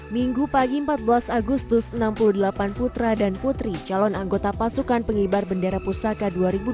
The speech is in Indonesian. minggu pagi empat belas agustus enam puluh delapan putra dan putri calon anggota pasukan pengibar bendera pusaka dua ribu dua puluh